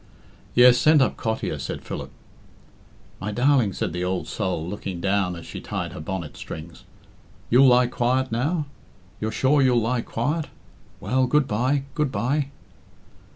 "Yes, send up Cottier," said Philip. "My darling," said the old soul, looking down as she tied her bonnet strings. "You'll lie quiet now? You're sure you'll lie quiet? Well, good bye! good bye!"